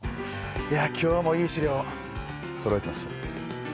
いや今日もいい資料そろえてますよ。